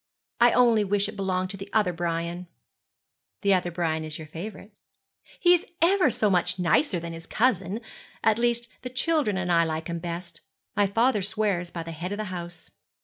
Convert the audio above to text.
I only wish it belonged to the other Brian.' 'The other Brian is your favourite.' 'He is ever so much nicer than his cousin at least, the children and I like him best. My father swears by the head of the house.'